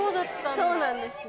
そうなんですよ